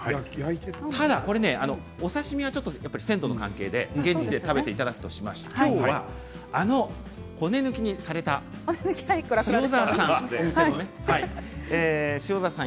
ただ、お刺身は鮮度の関係で現地で食べていただくとして今日は骨抜きにされた塩沢さん